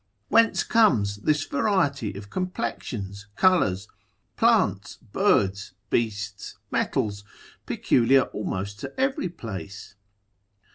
whence comes this variety of complexions, colours, plants, birds, beasts, metals, peculiar almost to every place?